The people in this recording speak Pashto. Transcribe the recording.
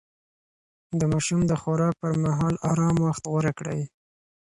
د ماشوم د خوراک پر مهال ارام وخت غوره کړئ.